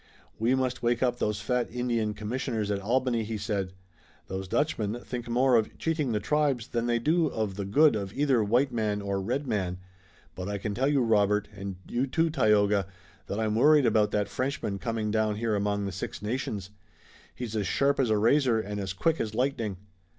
"We must wake up those fat Indian commissioners at Albany," he said. "Those Dutchmen think more of cheating the tribes than they do of the good of either white man or red man, but I can tell you, Robert, and you too, Tayoga, that I'm worried about that Frenchman coming down here among the Six Nations. He's as sharp as a razor, and as quick as lightning.